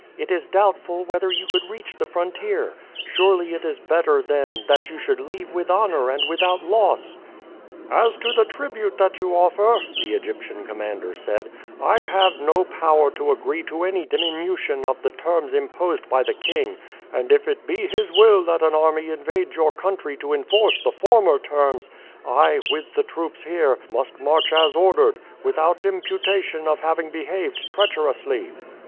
It is doubtful whether you could reach the frontier. Surely it is better, then, that you should leave with honor and without loss." "As to the tribute that you offer," the Egyptian commander said, "I have no power to agree to any diminution of the terms imposed by the king, and if it be his will that an army invades your country to enforce the former terms, I, with the troops here, must march as ordered, without imputation of having behaved treacherously."